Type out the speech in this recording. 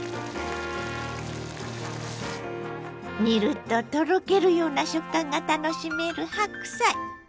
煮るととろけるような食感が楽しめる白菜。